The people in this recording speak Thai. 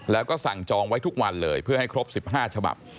แล้วก็สั่งจองไว้ทุกวันเลยเพื่อให้ครบ๑๕ฉบับ